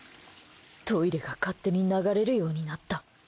トイレが勝手に流れるようになった。